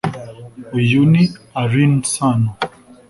Uyu ni Alyn Sano,